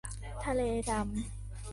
ทะเลดำ